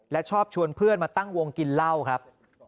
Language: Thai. และชอบชวนเพื่อนมาตั้งวงกินเหล้าครับ